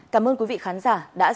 cảm ơn quý vị khán giả đã dành thời gian